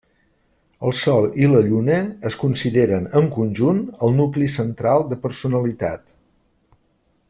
El Sol i la Lluna es consideren, en conjunt, el nucli central de personalitat.